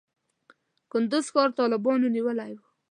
کندز ښار طالبانو نیولی و.